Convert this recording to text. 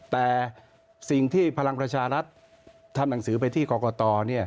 แต่สิ่งที่พลังประชารัฐทำหนังสือไปที่กรกต